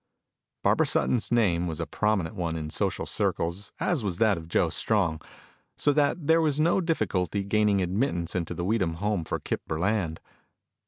Barbara Sutton's name was a prominent one in social circles as was that of Joe Strong, so that there was no difficulty gaining admittance into the Weedham home for Kip Burland.